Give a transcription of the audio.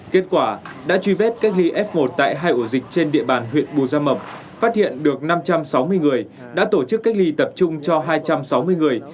kết quả đã truy vết cách ly f một tại hai ổ dịch trên địa bàn huyện bù gia mập phát hiện được năm trăm sáu mươi người đã tổ chức cách ly tập trung cho hai trăm sáu mươi người